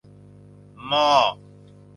มอ